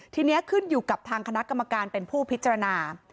ทีนี้ขึ้นอยู่กับทางคณะกรรมการเป็นผู้พิจารณา